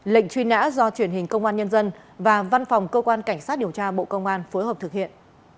lệnh truy nã do truyền hình công an nhân dân và văn phòng cơ quan cảnh sát điều tra bộ công an phối hợp thực hiện